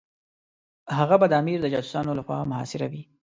هغه به د امیر د جاسوسانو لخوا محاصره وي.